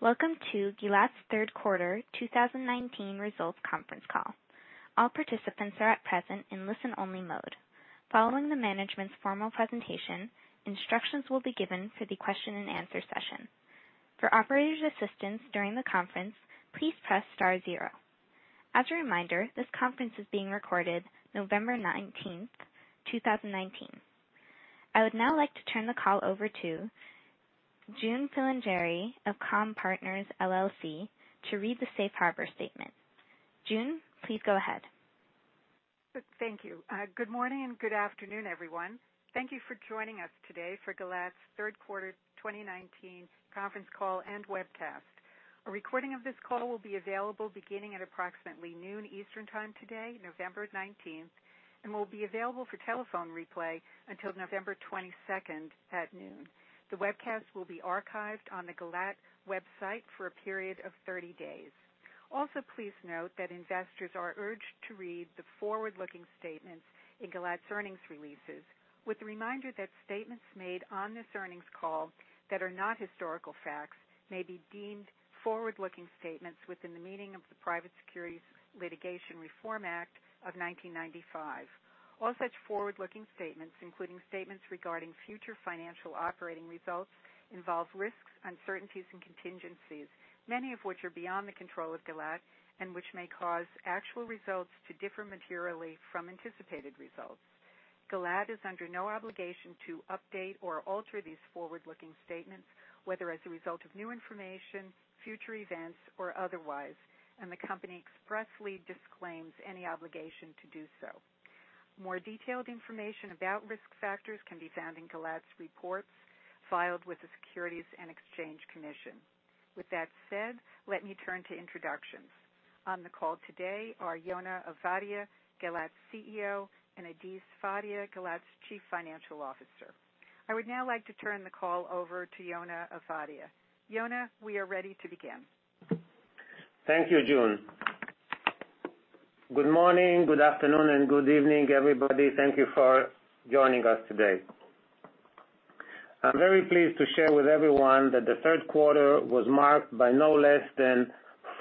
Welcome to Gilat's third quarter 2019 results conference call. All participants are at present in listen-only mode. Following the management's formal presentation, instructions will be given for the question and answer session. For operator's assistance during the conference, please press star zero. As a reminder, this conference is being recorded November 19th, 2019. I would now like to turn the call over to June Filingeri of Comm-Partners LLC to read the safe harbor statement. June, please go ahead. Thank you. Good morning and good afternoon, everyone. Thank you for joining us today for Gilat's third quarter 2019 conference call and webcast. A recording of this call will be available beginning at approximately noon Eastern Time today, November 19th, and will be available for telephone replay until November 22nd at noon. The webcast will be archived on the Gilat website for a period of 30 days. Also, please note that investors are urged to read the forward-looking statements in Gilat's earnings releases with the reminder that statements made on this earnings call that are not historical facts may be deemed forward-looking statements within the meaning of the Private Securities Litigation Reform Act of 1995. All such forward-looking statements, including statements regarding future financial operating results, involve risks, uncertainties, and contingencies, many of which are beyond the control of Gilat and which may cause actual results to differ materially from anticipated results. Gilat is under no obligation to update or alter these forward-looking statements, whether as a result of new information, future events, or otherwise, and the company expressly disclaims any obligation to do so. More detailed information about risk factors can be found in Gilat's reports filed with the Securities and Exchange Commission. With that said, let me turn to introductions. On the call today are Yona Ovadia, Gilat's CEO, and Adi Sfadia, Gilat's Chief Financial Officer. I would now like to turn the call over to Yona Ovadia. Yona, we are ready to begin. Thank you, June. Good morning, good afternoon, and good evening, everybody. Thank you for joining us today. I'm very pleased to share with everyone that the third quarter was marked by no less than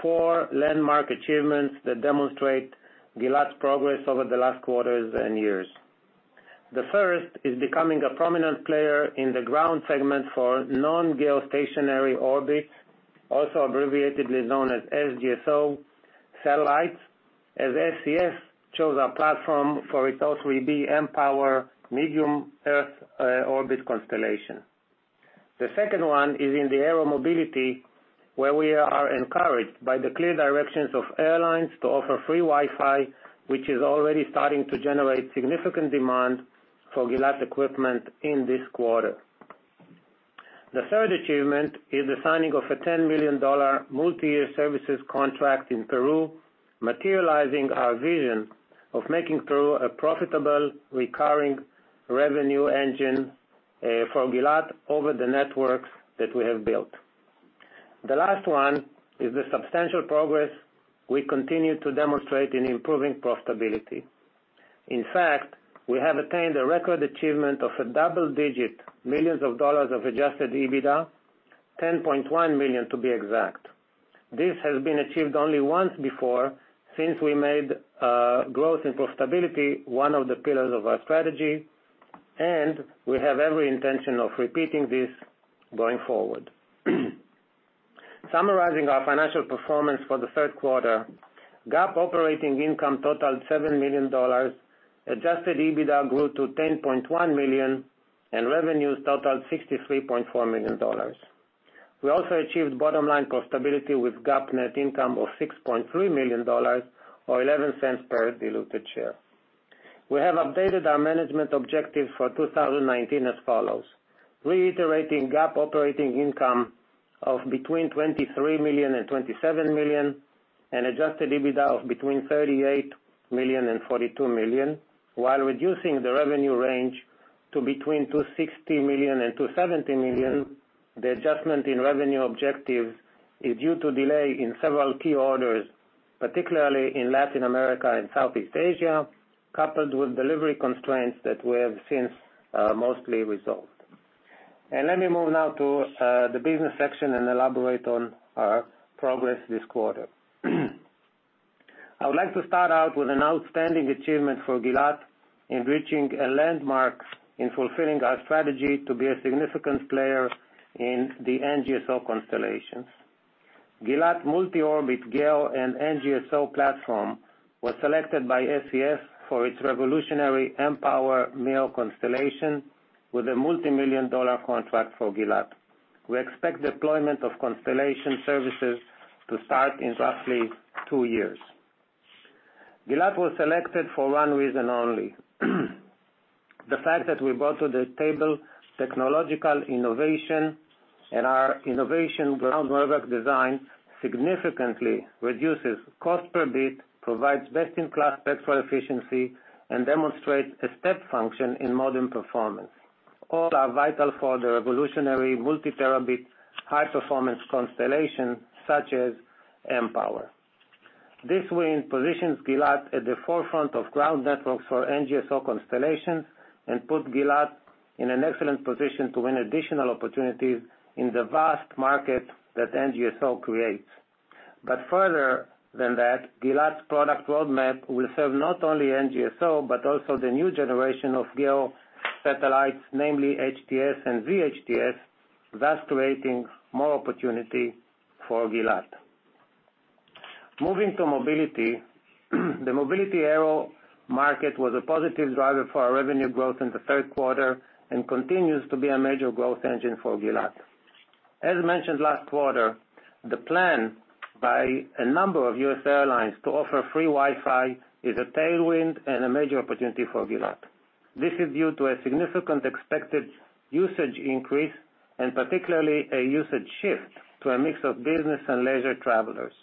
four landmark achievements that demonstrate Gilat's progress over the last quarters and years. The first is becoming a prominent player in the ground segment for non-geostationary orbit, also abbreviated known as NGSO satellites, as SES chose our platform for its O3b mPOWER Medium Earth Orbit constellation. The second one is in the aeromobility, where we are encouraged by the clear directions of airlines to offer free Wi-Fi, which is already starting to generate significant demand for Gilat equipment in this quarter. The third achievement is the signing of a $10 million multi-year services contract in Peru, materializing our vision of making Peru a profitable recurring revenue engine for Gilat over the networks that we have built. The last one is the substantial progress we continue to demonstrate in improving profitability. In fact, we have attained a record achievement of a double-digit millions of dollars of adjusted EBITDA, $10.1 million to be exact. This has been achieved only once before since we made growth and profitability one of the pillars of our strategy, and we have every intention of repeating this going forward. Summarizing our financial performance for the third quarter, GAAP operating income totaled $7 million, adjusted EBITDA grew to $10.1 million, and revenues totaled $63.4 million. We also achieved bottom-line profitability with GAAP net income of $6.3 million or $0.11 per diluted share. We have updated our management objective for 2019 as follows, reiterating GAAP operating income of between $23 million and $27 million and adjusted EBITDA of between $38 million and $42 million while reducing the revenue range to between $260 million and $270 million. The adjustment in revenue objectives is due to delay in several key orders, particularly in Latin America and Southeast Asia, coupled with delivery constraints that we have since mostly resolved. Let me move now to the business section and elaborate on our progress this quarter. I would like to start out with an outstanding achievement for Gilat in reaching a landmark in fulfilling our strategy to be a significant player in the NGSO constellations. Gilat multi-orbit GEO and NGSO platform was selected by SES for its revolutionary mPOWER MEO constellation with a multimillion-dollar contract for Gilat. We expect deployment of constellation services to start in roughly two years. Gilat was selected for one reason only, the fact that we brought to the table technological innovation and our innovation ground network design significantly reduces cost per bit, provides best-in-class spectral efficiency, and demonstrates a step function in modern performance. All are vital for the revolutionary multi-terabit high-performance constellation such as mPOWER. This win positions Gilat at the forefront of ground networks for NGSO constellations and puts Gilat in an excellent position to win additional opportunities in the vast market that NGSO creates. Further than that, Gilat's product roadmap will serve not only NGSO, but also the new generation of GEO satellites, namely HTS and VHTS, thus creating more opportunity for Gilat. Moving to mobility. The mobility aero market was a positive driver for our revenue growth in the third quarter and continues to be a major growth engine for Gilat. As mentioned last quarter, the plan by a number of U.S. airlines to offer free Wi-Fi is a tailwind and a major opportunity for Gilat. This is due to a significant expected usage increase, and particularly a usage shift to a mix of business and leisure travelers.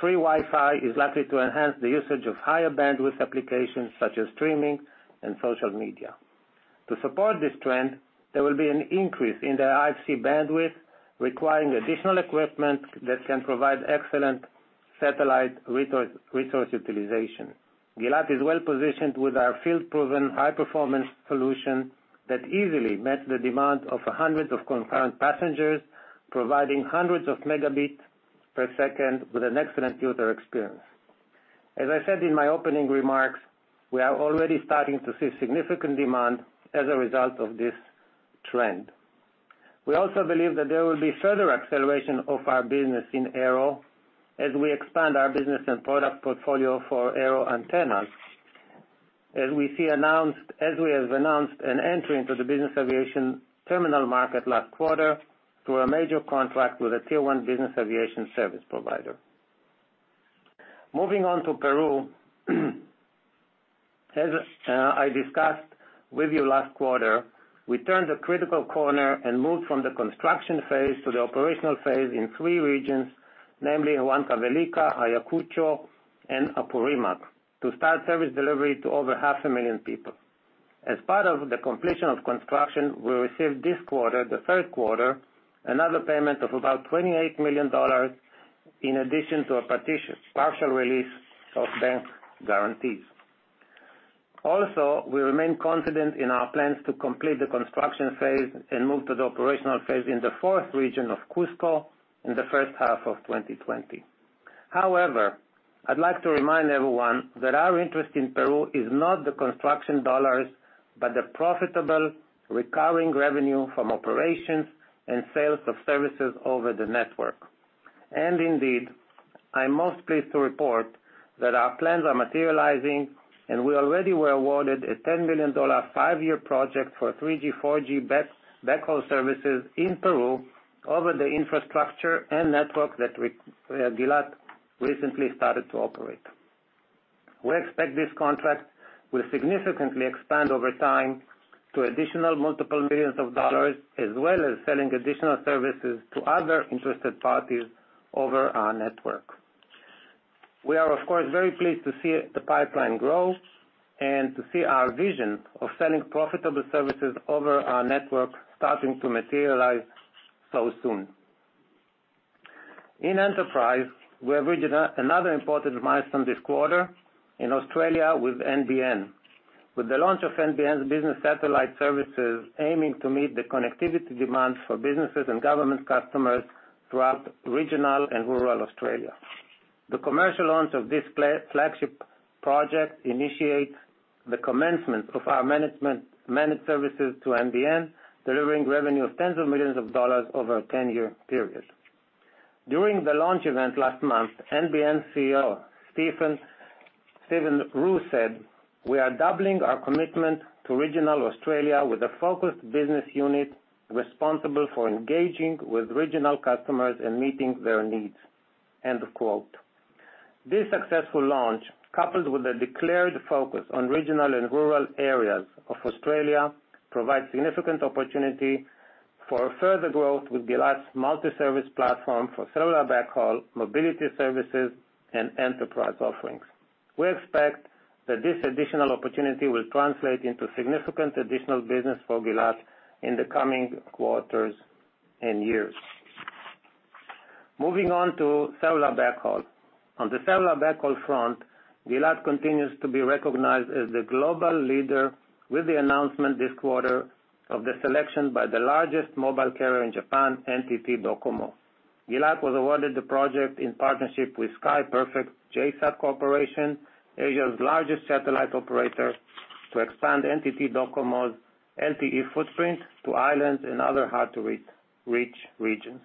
Free Wi-Fi is likely to enhance the usage of higher bandwidth applications such as streaming and social media. To support this trend, there will be an increase in the IFC bandwidth, requiring additional equipment that can provide excellent satellite resource utilization. Gilat is well positioned with our field-proven, high-performance solution that easily met the demand of hundreds of concurrent passengers, providing hundreds of megabits per second with an excellent user experience. As I said in my opening remarks, we are already starting to see significant demand as a result of this trend. We also believe that there will be further acceleration of our business in aero as we expand our business and product portfolio for aero antennas. As we have announced an entry into the business aviation terminal market last quarter through a major contract with a tier 1 business aviation service provider. Moving on to Peru. As I discussed with you last quarter, we turned a critical corner and moved from the construction phase to the operational phase in 3 regions, namely Huancavelica, Ayacucho, and Apurímac, to start service delivery to over half a million people. As part of the completion of construction, we received this quarter, the third quarter, another payment of about $28 million in addition to a partial release of bank guarantees. Also, we remain confident in our plans to complete the construction phase and move to the operational phase in the fourth region of Cusco in the first half of 2020. However, I'd like to remind everyone that our interest in Peru is not the construction dollars, but the profitable recurring revenue from operations and sales of services over the network. Indeed, I'm most pleased to report that our plans are materializing, and we already were awarded a $10 million five-year project for 3G, 4G backhaul services in Peru over the infrastructure and network that Gilat recently started to operate. We expect this contract will significantly expand over time to additional multiple millions of dollars, as well as selling additional services to other interested parties over our network. We are, of course, very pleased to see the pipeline grow and to see our vision of selling profitable services over our network starting to materialize so soon. In enterprise, we have reached another important milestone this quarter in Australia with NBN. With the launch of NBN's Business Satellite Services aiming to meet the connectivity demands for businesses and government customers throughout regional and rural Australia. The commercial launch of this flagship project initiates the commencement of our managed services to NBN, delivering revenue of $tens of millions over a 10-year period. During the launch event last month, NBN CEO Stephen Rue said, "We are doubling our commitment to regional Australia with a focused business unit responsible for engaging with regional customers and meeting their needs. This successful launch, coupled with a declared focus on regional and rural areas of Australia, provides significant opportunity for further growth with Gilat's multi-service platform for cellular backhaul, mobility services, and enterprise offerings. We expect that this additional opportunity will translate into significant additional business for Gilat in the coming quarters and years. Moving on to cellular backhaul. On the cellular backhaul front, Gilat continues to be recognized as the global leader with the announcement this quarter of the selection by the largest mobile carrier in Japan, NTT DOCOMO. Gilat was awarded the project in partnership with SKY Perfect JSAT Corporation, Asia's largest satellite operator, to expand NTT DOCOMO's LTE footprint to islands and other hard-to-reach regions.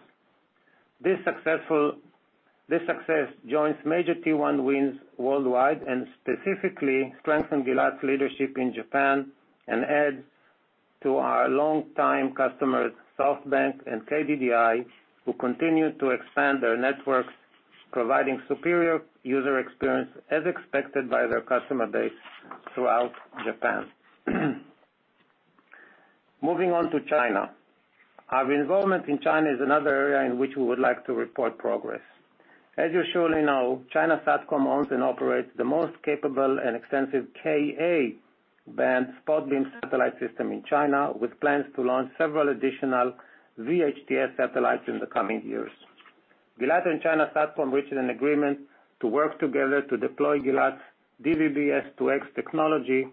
This success joins major T1 wins worldwide and specifically strengthens Gilat's leadership in Japan and adds to our longtime customers, SoftBank and KDDI, who continue to expand their networks, providing superior user experience as expected by their customer base throughout Japan. Moving on to China. Our involvement in China is another area in which we would like to report progress. As you surely know, China Satcom owns and operates the most capable and extensive Ka-band spot beam satellite system in China, with plans to launch several additional VHTS satellites in the coming years. Gilat and China Satcom reached an agreement to work together to deploy Gilat's DVB-S2X technology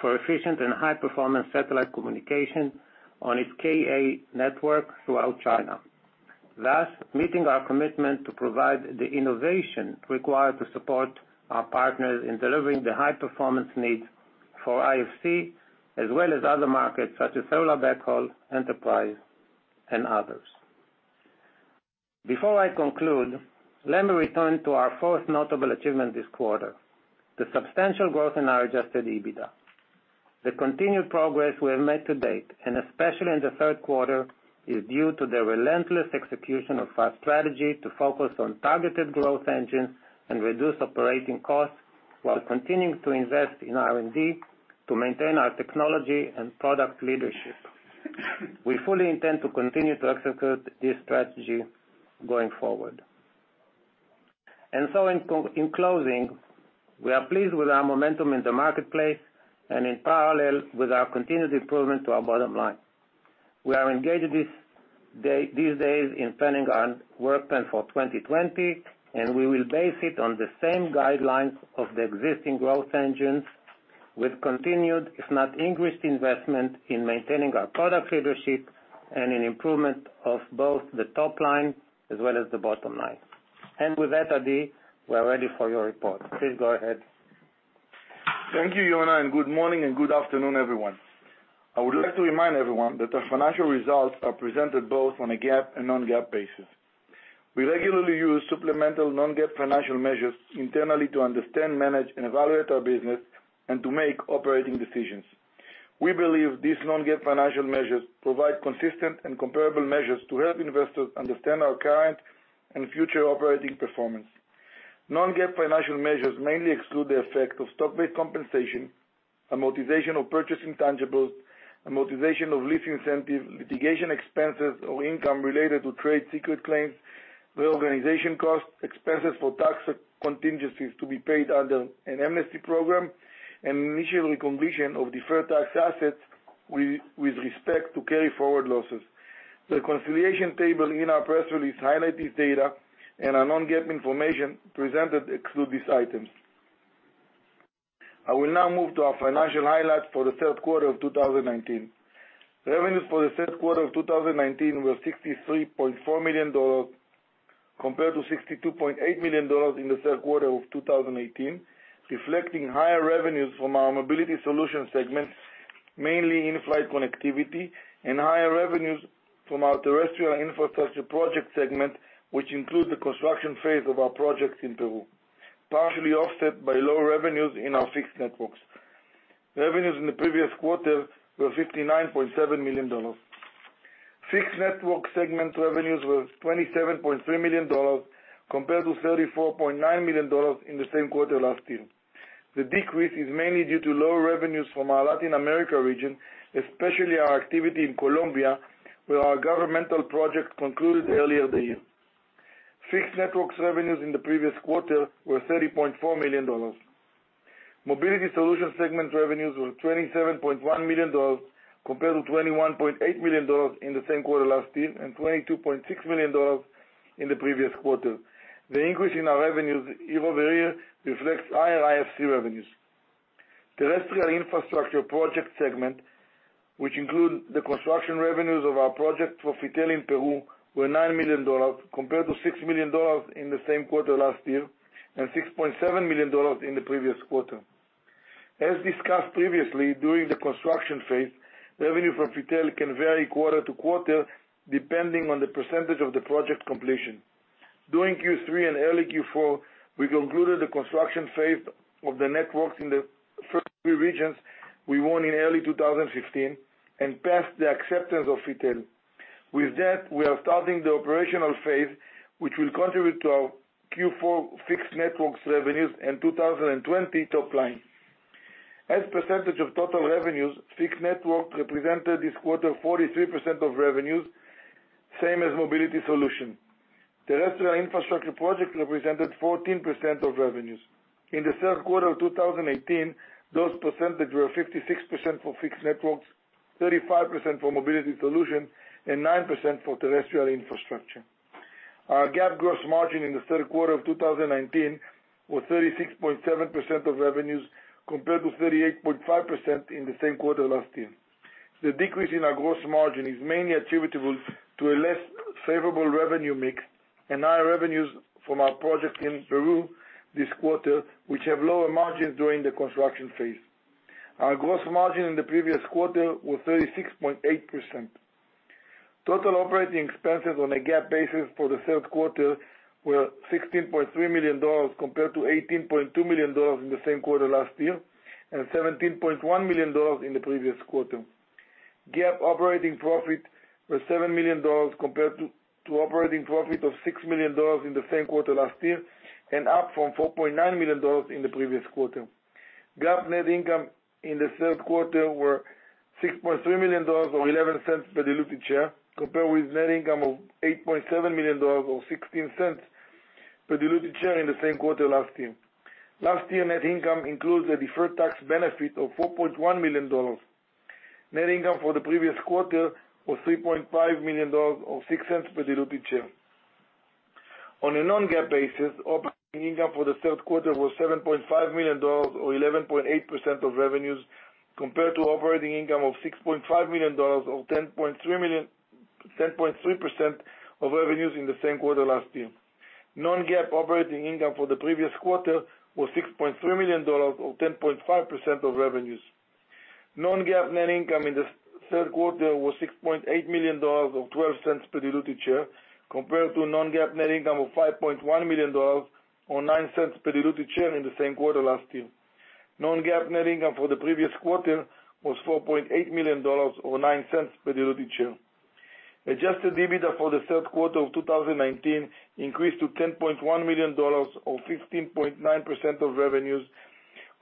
for efficient and high-performance satellite communication on its Ka network throughout China. Thus, meeting our commitment to provide the innovation required to support our partners in delivering the high-performance needs for IFC, as well as other markets such as cellular backhaul, enterprise, and others. Before I conclude, let me return to our fourth notable achievement this quarter, the substantial growth in our adjusted EBITDA. The continued progress we have made to date, and especially in the third quarter, is due to the relentless execution of our strategy to focus on targeted growth engines and reduce operating costs, while continuing to invest in R&D to maintain our technology and product leadership. We fully intend to continue to execute this strategy going forward. In closing, we are pleased with our momentum in the marketplace and in parallel with our continued improvement to our bottom line. We are engaged these days in planning our work plan for 2020. We will base it on the same guidelines of the existing growth engines with continued, if not increased, investment in maintaining our product leadership and an improvement of both the top line as well as the bottom line. With that, Adi, we're ready for your report. Please go ahead. Thank you, Yona, and good morning and good afternoon, everyone. I would like to remind everyone that our financial results are presented both on a GAAP and non-GAAP basis. We regularly use supplemental non-GAAP financial measures internally to understand, manage, and evaluate our business and to make operating decisions. We believe these non-GAAP financial measures provide consistent and comparable measures to help investors understand our current and future operating performance. Non-GAAP financial measures mainly exclude the effect of stock-based compensation, amortization of purchased intangibles, amortization of lease incentives, litigation expenses or income related to trade secret claims, reorganization costs, expenses for tax contingencies to be paid under an amnesty program, and initial recognition of deferred tax assets with respect to carryforward losses. The reconciliation table in our press release highlights this data, and our non-GAAP information presented exclude these items. I will now move to our financial highlights for the third quarter of 2019. Revenues for the third quarter of 2019 were $63.4 million, compared to $62.8 million in the third quarter of 2018, reflecting higher revenues from our Mobility Solutions segment, mainly in-flight connectivity and higher revenues from our Terrestrial Infrastructure Project segment, which include the construction phase of our project in Peru, partially offset by lower revenues in our Fixed Networks. Revenues in the previous quarter were $59.7 million. Fixed Network segment revenues were $27.3 million, compared to $34.9 million in the same quarter last year. The decrease is mainly due to lower revenues from our Latin America region, especially our activity in Colombia, where our governmental project concluded earlier this year. Fixed Networks revenues in the previous quarter were $30.4 million. Mobility solutions segment revenues were $27.1 million, compared to $21.8 million in the same quarter last year and $22.6 million in the previous quarter. The increase in our revenues year-over-year reflects higher IFC revenues. Terrestrial infrastructure project segment, which include the construction revenues of our project for FITEL in Peru, were $9 million, compared to $6 million in the same quarter last year, and $6.7 million in the previous quarter. As discussed previously, during the construction phase, revenue for FITEL can vary quarter-to-quarter, depending on the percentage of the project completion. During Q3 and early Q4, we concluded the construction phase of the networks in the first three regions we won in early 2015 and passed the acceptance of FITEL. With that, we are starting the operational phase, which will contribute to our Q4 fixed networks revenues and 2020 top line. As % of total revenues, fixed network represented this quarter 43% of revenues, same as mobility solution. Terrestrial infrastructure project represented 14% of revenues. In the third quarter of 2018, those % were 56% for fixed networks, 35% for mobility solution, and 9% for terrestrial infrastructure. Our GAAP gross margin in the third quarter of 2019 was 36.7% of revenues, compared to 38.5% in the same quarter last year. The decrease in our gross margin is mainly attributable to a less favorable revenue mix and higher revenues from our project in Peru this quarter, which have lower margins during the construction phase. Our gross margin in the previous quarter was 36.8%. Total operating expenses on a GAAP basis for the third quarter were $16.3 million, compared to $18.2 million in the same quarter last year, and $17.1 million in the previous quarter. GAAP operating profit was $7 million compared to operating profit of $6 million in the same quarter last year, and up from $4.9 million in the previous quarter. GAAP net income in the third quarter were $6.3 million, or $0.11 per diluted share, compared with net income of $8.7 million, or $0.16 per diluted share in the same quarter last year. Last year net income includes a deferred tax benefit of $4.1 million. Net income for the previous quarter was $3.5 million, or $0.06 per diluted share. On a non-GAAP basis, operating income for the third quarter was $7.5 million or 11.8% of revenues, compared to operating income of $6.5 million or 10.3% of revenues in the same quarter last year. Non-GAAP operating income for the previous quarter was $6.3 million or 10.5% of revenues. Non-GAAP net income in the third quarter was $6.8 million, or $0.12 per diluted share, compared to non-GAAP net income of $5.1 million or $0.09 per diluted share in the same quarter last year. Non-GAAP net income for the previous quarter was $4.8 million or $0.09 per diluted share. Adjusted EBITDA for the third quarter of 2019 increased to $11.1 million or 15.9% of revenues,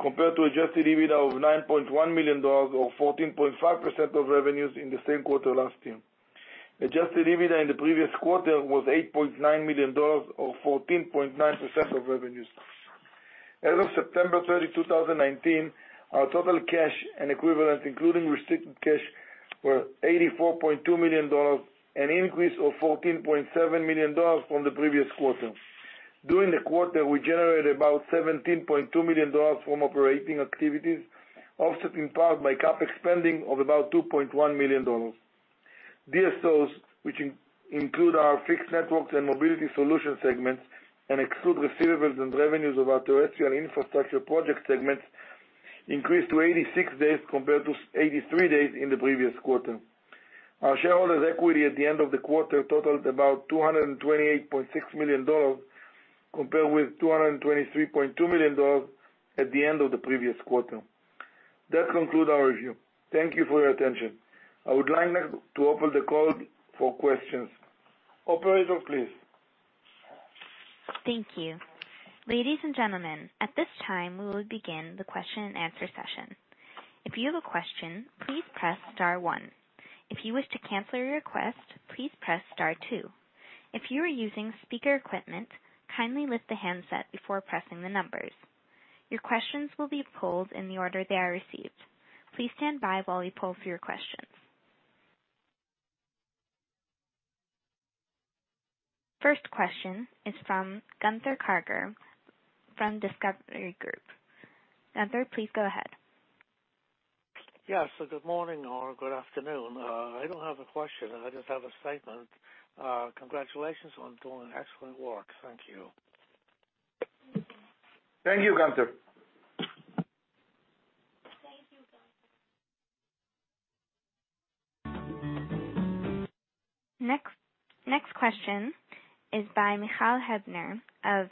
compared to adjusted EBITDA of $9.1 million or 14.5% of revenues in the same quarter last year. Adjusted EBITDA in the previous quarter was $8.9 million or 14.9% of revenues. As of September 30, 2019, our total cash and equivalent, including restricted cash, were $84.2 million, an increase of $14.7 million from the previous quarter. During the quarter, we generated about $17.2 million from operating activities, offset in part by CapEx spending of about $2.1 million. DSOs, which include our fixed networks and mobility solution segments and exclude receivables and revenues of our terrestrial infrastructure project segment, increased to 86 days compared to 83 days in the previous quarter. Our shareholders' equity at the end of the quarter totaled about $228.6 million, compared with $223.2 million at the end of the previous quarter. That conclude our review. Thank you for your attention. I would like now to open the call for questions. Operator, please. Thank you. Ladies and gentlemen, at this time, we will begin the question and answer session. If you have a question, please press star one. If you wish to cancel your request, please press star two. If you are using speaker equipment, kindly lift the handset before pressing the numbers. Your questions will be polled in the order they are received. Please stand by while we poll for your questions. First question is from Gunther Karger from Discovery Group. Gunther, please go ahead. Yeah. Good morning or good afternoon. I don't have a question. I just have a statement. Congratulations on doing excellent work. Thank you. Thank you, Gunther. Thank you, Gunther. Next question is by Michael Hebner of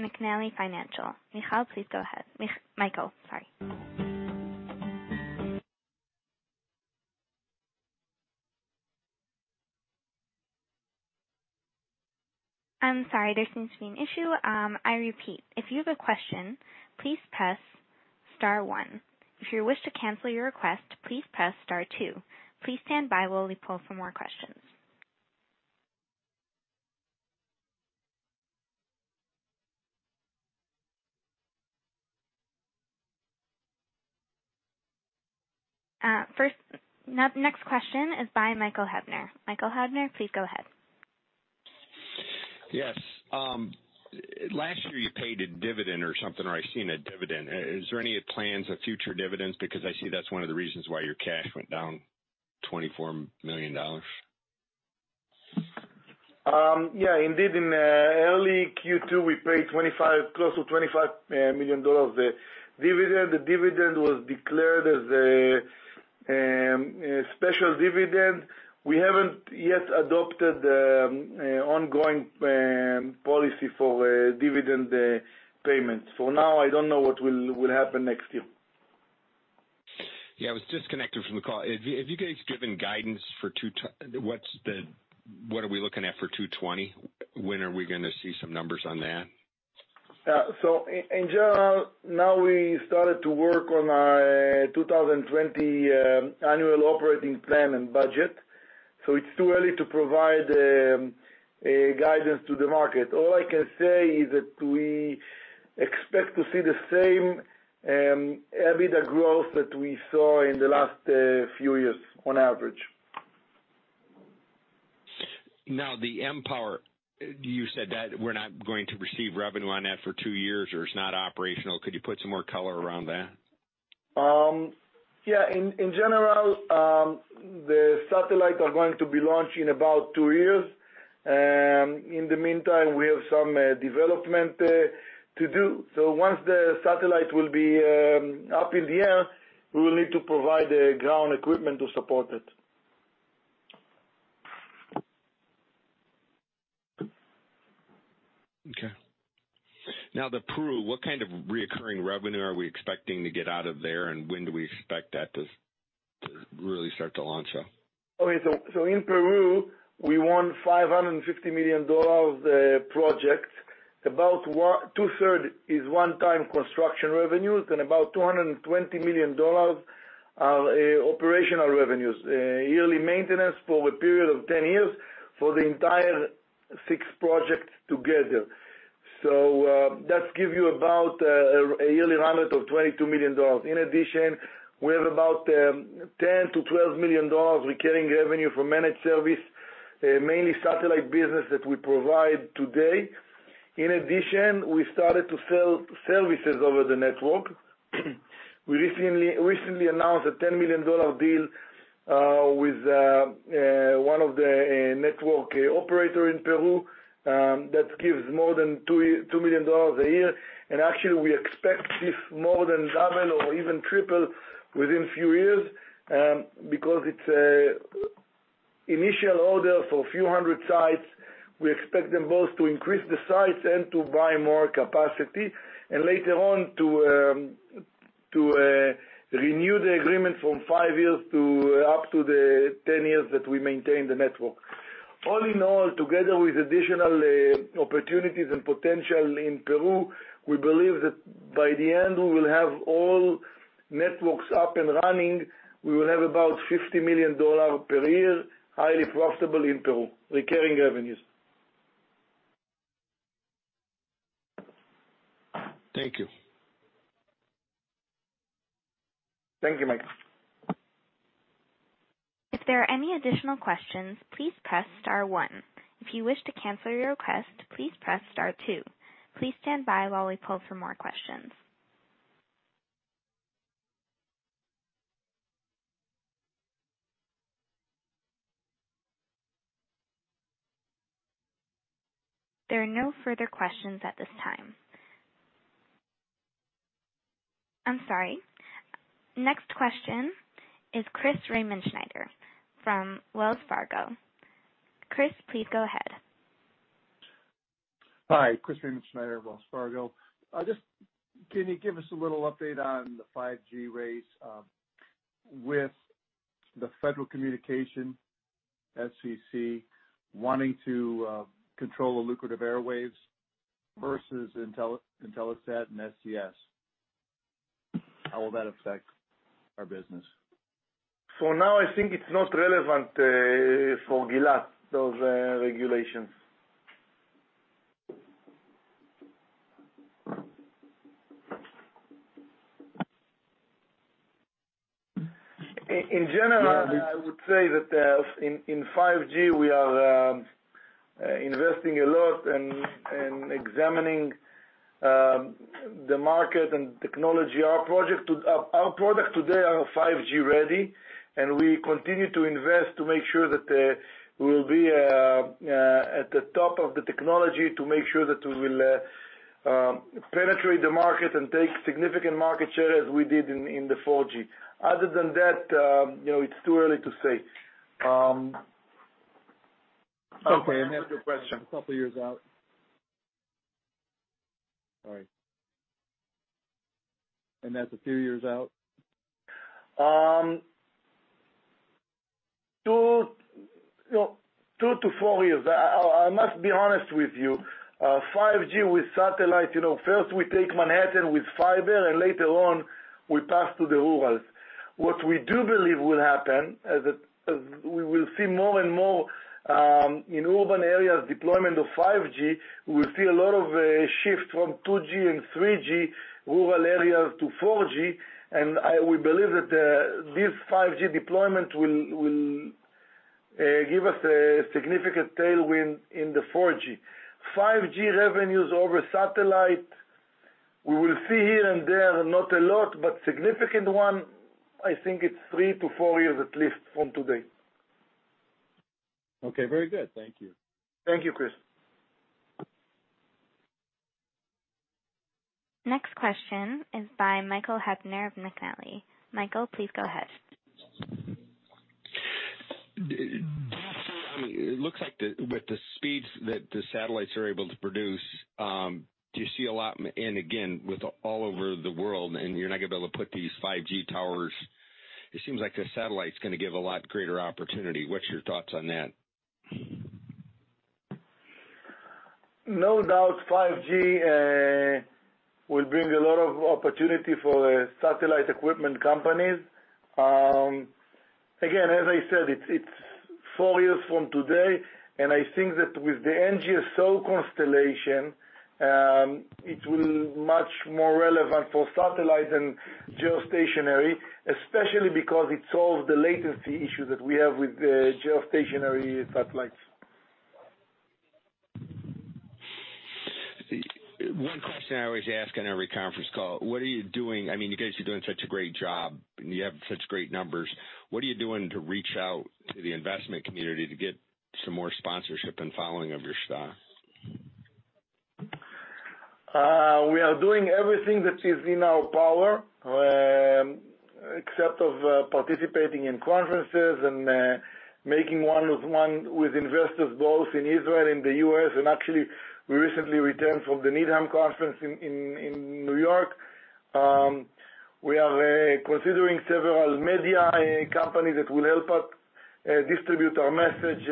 McNally Financial. Michael, please go ahead. I'm sorry. There seems to be an issue. I repeat, if you have a question, please press star one. If you wish to cancel your request, please press star two. Please stand by while we poll for more questions. Next question is by Michael Hebner. Michael Hebner, please go ahead. Yes. Last year you paid a dividend or something, or I've seen a dividend. Is there any plans of future dividends? I see that's one of the reasons why your cash went down $24 million. Yeah, indeed, in early Q2, we paid close to $25 million dividend. The dividend was declared as a special dividend. We haven't yet adopted the ongoing policy for dividend payments. For now, I don't know what will happen next year. Yeah, I was disconnected from the call. Have you guys given guidance for what are we looking at for 2020? When are we going to see some numbers on that? In general, now we started to work on our 2020 annual operating plan and budget, so it's too early to provide guidance to the market. All I can say is that we expect to see the same EBITDA growth that we saw in the last few years on average. The mPOWER, you said that we're not going to receive revenue on that for two years or it's not operational. Could you put some more color around that? Yeah. In general, the satellites are going to be launched in about two years. In the meantime, we have some development to do. Once the satellite will be up in the air, we will need to provide the ground equipment to support it. Okay. Now the Peru, what kind of recurring revenue are we expecting to get out of there, and when do we expect that to really start to launch? Okay. In Peru, we won $550 million project. About two-third is one-time construction revenues and about $220 million are operational revenues, yearly maintenance over a period of 10 years for the entire six projects together. That gives you about a yearly run rate of $22 million. In addition, we have about $10 million to $12 million recurring revenue from managed service, mainly satellite business that we provide today. In addition, we started to sell services over the network. We recently announced a $10 million deal with one of the network operator in Peru that gives more than $2 million a year, and actually we expect this more than double or even triple within few years because it's initial order for a few hundred sites. We expect them both to increase the sites and to buy more capacity and later on to renew the agreement from five years to up to the 10 years that we maintain the network. All in all, together with additional opportunities and potential in Peru, we believe that by the end, we will have all networks up and running. We will have about $50 million per year, highly profitable in Peru, recurring revenues. Thank you. Thank you, Michael. If there are any additional questions, please press star 1. If you wish to cancel your request, please press star 2. Please stand by while we pull for more questions. There are no further questions at this time. I'm sorry. Next question is Chris Riemenschneider from Wells Fargo. Chris, please go ahead. Hi. Chris Riemenschneider, Wells Fargo. Just can you give us a little update on the 5G race with the Federal Communications Commission, FCC, wanting to control the lucrative airwaves versus Intelsat and SES? How will that affect our business? For now, I think it's not relevant for Gilat, those regulations. In general, I would say that in 5G, we are investing a lot and examining the market and technology. Our product today are 5G ready, and we continue to invest to make sure that we will be at the top of the technology to make sure that we will penetrate the market and take significant market share as we did in the 4G. Other than that, it's too early to say. Okay. That's a question a couple of years out? Sorry. That's a few years out? Two to four years. I must be honest with you, 5G with satellite, first we take Manhattan with fiber, later on we pass to the rural. What we do believe will happen, as we will see more and more in urban areas deployment of 5G, we'll see a lot of shift from 2G and 3G rural areas to 4G. We believe that this 5G deployment will give us a significant tailwind in the 4G. 5G revenues over satellite, we will see here and there, not a lot, but significant one, I think it's three to four years at least from today. Okay. Very good. Thank you. Thank you, Chris. Next question is by Michael Hebner of McNally. Michael, please go ahead. It looks like with the speeds that the satellites are able to produce, do you see a lot, and again, with all over the world, and you're not going to be able to put these 5G towers, it seems like the satellite's going to give a lot greater opportunity. What's your thoughts on that? No doubt 5G will bring a lot of opportunity for satellite equipment companies. Again, as I said, it's four years from today, and I think that with the NGSO constellation, it will much more relevant for satellite than geostationary, especially because it solved the latency issue that we have with geostationary satellites. One question I always ask on every conference call, what are you doing? You guys are doing such a great job, and you have such great numbers. What are you doing to reach out to the investment community to get some more sponsorship and following of your stock? We are doing everything that is in our power, except of participating in conferences and making one with investors both in Israel and the U.S., and actually we recently returned from the Needham conference in New York. We are considering several media companies that will help us distribute our message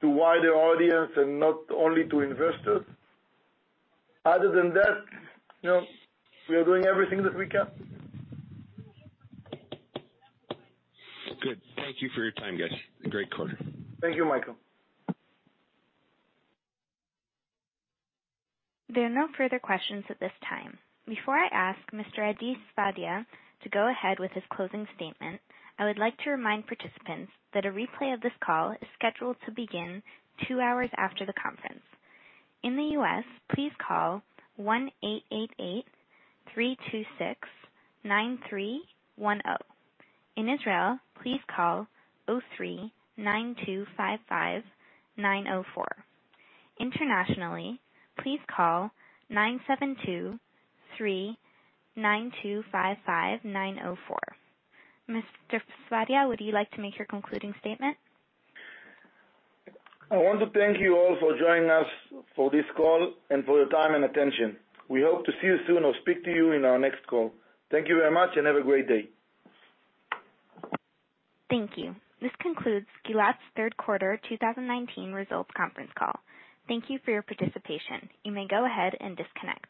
to wider audience and not only to investors. Other than that, we are doing everything that we can. Good. Thank you for your time, guys. Great quarter. Thank you, Michael. There are no further questions at this time. Before I ask Mr. Adi Sfadia to go ahead with his closing statement, I would like to remind participants that a replay of this call is scheduled to begin two hours after the conference. In the U.S., please call 1-888-326-9310. In Israel, please call 03-925-5904. Internationally, please call 972-3-925-5904. Mr. Sfadia, would you like to make your concluding statement? I want to thank you all for joining us for this call and for your time and attention. We hope to see you soon or speak to you in our next call. Thank you very much and have a great day. Thank you. This concludes Gilat's third quarter 2019 results conference call. Thank you for your participation. You may go ahead and disconnect.